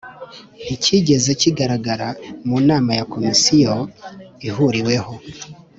nticyigeze kigaragara mu nama ya komisiyo ihuriweho